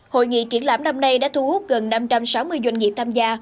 hội nghị triển lãm năm nay đã thu hút gần năm trăm sáu mươi doanh nghiệp tham gia